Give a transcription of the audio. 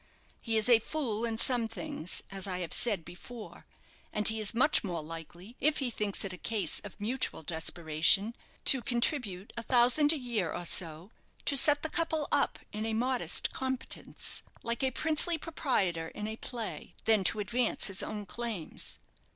He is a fool in some things, as I have said before, and he is much more likely, if he thinks it a case of mutual desperation, to contribute a thousand a year or so to set the couple up in a modest competence, like a princely proprietor in a play, than to advance his own claims.